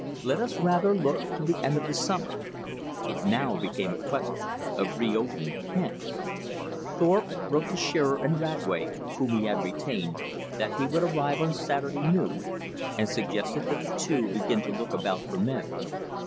Let us rather look to the end of the summer. It now became a question of re opening the camps. Thorpe wrote to Shearer and Radway, whom he had retained, that he would arrive on Saturday noon, and suggested that the two begin to look about for men.